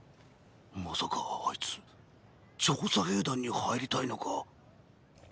まさかあいつ「調査兵団」に入りたいのか？